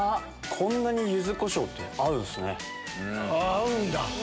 こんなにゆずこしょうって合うんすね。